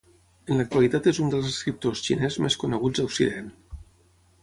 En l'actualitat és un dels escriptors xinès més coneguts a Occident.